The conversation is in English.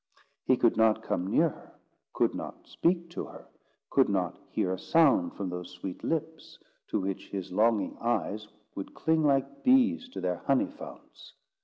He could not come near her, could not speak to her, could not hear a sound from those sweet lips, to which his longing eyes would cling like bees to their honey founts.